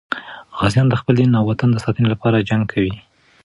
غازیان د خپل دین او وطن د ساتنې لپاره جنګ کوي.